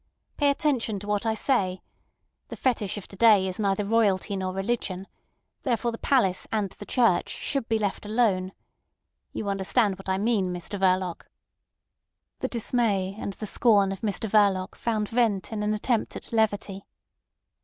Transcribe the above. "Pay attention to what I say. The fetish of to day is neither royalty nor religion. Therefore the palace and the church should be left alone. You understand what I mean, Mr Verloc?" The dismay and the scorn of Mr Verloc found vent in an attempt at levity.